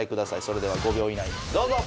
それでは５秒以内にどうぞ！